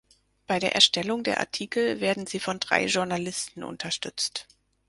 Bei der Erstellung der Artikel werden sie von drei Journalisten unterstützt.